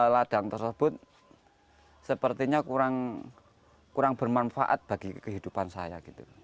ladang tersebut sepertinya kurang bermanfaat bagi kehidupan saya